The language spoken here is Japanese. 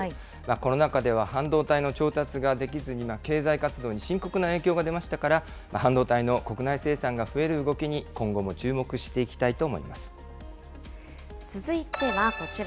コロナ禍では半導体の調達ができずに、経済活動に深刻な影響が出ましたから、半導体の国内生産が増える動きに今後も注目していき続いてはこちら。